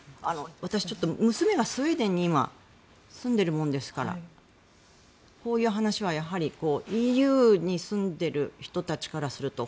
私、ちょっと娘がスウェーデンに今、住んでるものですらこういう話は、ＥＵに住んでいる人たちからすると